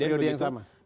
dalam periode yang sama